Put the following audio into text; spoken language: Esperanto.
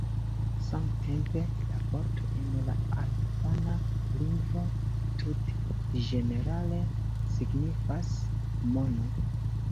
Samtempe la vorto en la albana lingvo tute ĝenerale signifas "mono".